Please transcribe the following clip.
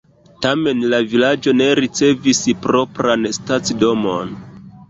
Tamen la vilaĝo ne ricevis propran stacidomon.